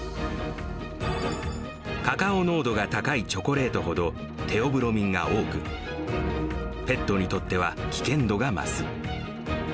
カカオ濃度が高いチョコレートほどテオブロミンが多く、ペットにとっては危険度が増す。